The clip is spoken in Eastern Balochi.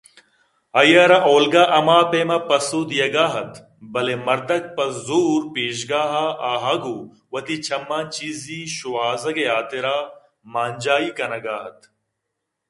آئی ءَ را اولگا ہما پیم ءَ پسو دیگ ءَ اَت بلئے مردک پہ زور پیژگاہ ءَ آہگ ءُ وتی چماں چیزے شوہازگ ءِحاترا مانجائی کنگءَ اَت